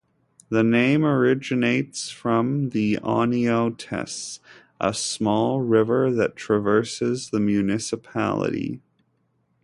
The name originates from the Oinountas, a small river that traverses the municipality.